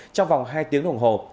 trong vòng hai tiếng đồng hồ